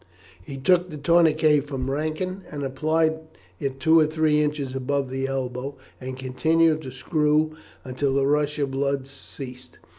"] He took the tourniquet from Rankin, and applied it two or three inches above the elbow, and continued to screw until the rush of blood ceased.